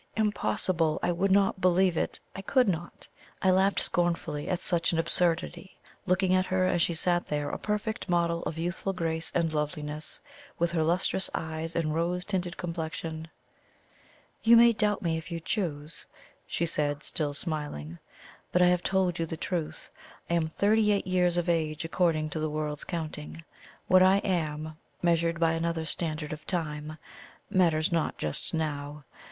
Impossible! I would not believe it. I could not. I laughed scornfully at such an absurdity, looking at her as she sat there a perfect model of youthful grace and loveliness, with her lustrous eyes and rose tinted complexion. "You may doubt me if you choose," she said, still smiling; "but I have told you the truth. I am thirty eight years of age according to the world's counting. What I am, measured by another standard of time, matters not just now.